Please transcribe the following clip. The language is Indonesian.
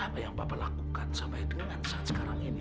apa yang bapak lakukan sampai dengan saat sekarang ini